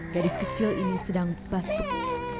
gadis kecil ini sedang batuk